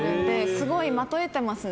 すごい的を射てますね